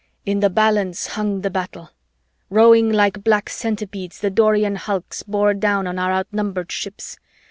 "In the balance hung the battle. Rowing like black centipedes, the Dorian hulls bore down on our outnumbered ships.